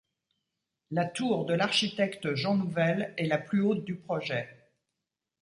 La tour de l'architecte Jean Nouvel est la plus haute du projet.